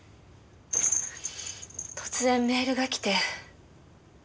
突然メールがきて。